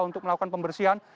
untuk melakukan pembersihan